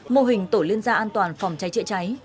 mô hình tổ liên gia an toàn phòng cháy chữa cháy